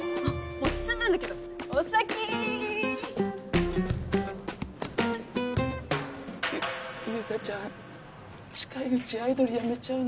もう進んでんだけどお先優佳ちゃん近いうちアイドル辞めちゃうのかな